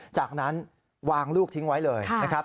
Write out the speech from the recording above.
จากนั้นวางลูกทิ้งไว้เลยนะครับ